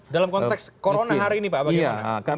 dalam konteks corona hari ini pak bagaimana